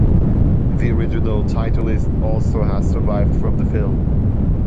The original title list also has survived from the film.